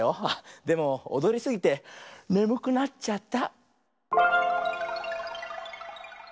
でもおどりすぎてねむくなっちゃった。